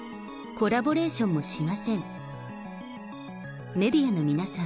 コラボレーションもしません。